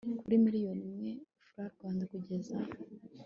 kuri miliyoni imwe frw kugeza